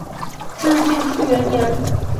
至建初元年。